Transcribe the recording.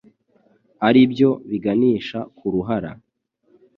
aribyo biganisha ku ruhara.